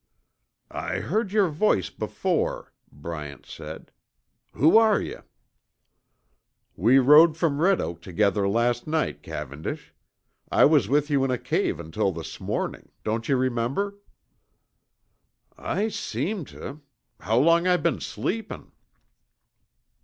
"I heard your voice before," Bryant said. "Who are yuh?" "We rode from Red Oak together last night, Cavendish. I was with you in a cave until this morning don't you remember?" "I seem tuh. How long I been sleepin'?"